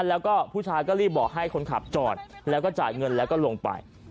แล้วก็ผู้ชายก็รีบบอกให้คนขับจอดแล้วก็จ่ายเงินแล้วก็ลงไป